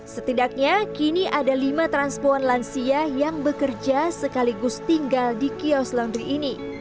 setidaknya kini ada lima transpuan lansia yang bekerja sekaligus tinggal di kios laundry ini